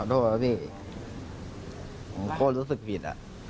ขอโทษแล้วพี่ผมโคตรรู้สึกผิด